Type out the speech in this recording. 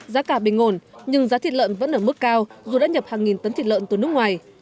giá cả bình ổn nhưng giá thịt lợn vẫn ở mức cao dù đã nhập hàng nghìn tấn thịt lợn từ nước ngoài